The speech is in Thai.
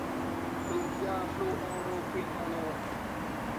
กลุ่มยาฟลูออโรควิโนโลน